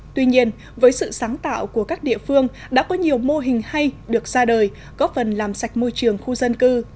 tuy nhiên với sự sáng tạo của các địa phương đã có nhiều mô hình hay được ra đời góp phần làm sạch môi trường khu dân cư